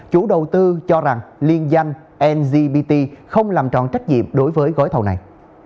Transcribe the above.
chủ đầu tư cho rằng liên danh ngbt không làm trọn trách nhiệm đối với gối thầu này